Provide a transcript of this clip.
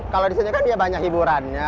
kalau di sini kan dia banyak hiburannya